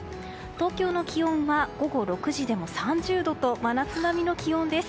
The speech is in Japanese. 東京の気温は午後６時でも３０度と真夏並みの気温です。